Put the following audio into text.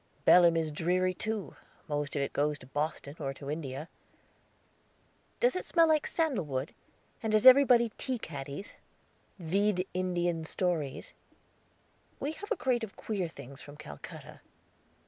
"Belem is dreary too; most of it goes to Boston, or to India." "Does it smell of sandal wood? And has everybody tea caddies? Vide Indian stories." "We have a crate of queer things from Calcutta."